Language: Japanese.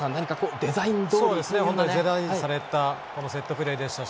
デザインされたセットプレーでしたし